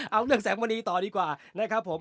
เอาเรื่องแสงมณีต่อดีกว่านะครับผม